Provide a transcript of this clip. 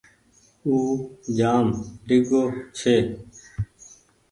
اُو جآم ڍيڳو ڇي۔